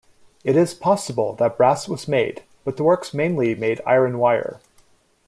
It is possible that brass was made, but the works mainly made iron wire.